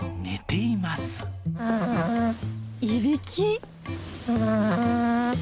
いびき？